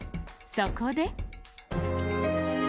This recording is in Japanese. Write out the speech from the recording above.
そこで。